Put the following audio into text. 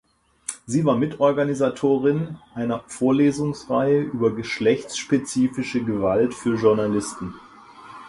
Sie war Mitorganisatorin einer Vorlesungsreihe über geschlechtsspezifische Gewalt für Journalisten.